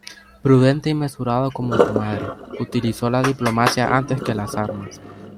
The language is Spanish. Prudente y mesurado como su madre, utilizó la diplomacia antes que las armas.